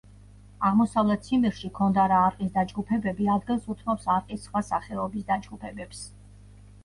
აღმოსავლეთ ციმბირში ქონდარა არყის დაჯგუფებები ადგილს უთმობს არყის სხვა სახეობის დაჯგუფებებს.